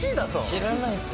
知らないですよ。